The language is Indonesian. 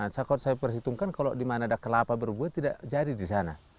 saya perhitungkan kalau di mana ada kelapa berbuat tidak jadi di sana